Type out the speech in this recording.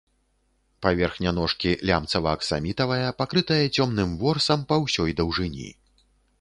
Паверхня ножкі лямцава-аксамітавая, пакрытая цёмным ворсам па ўсёй даўжыні.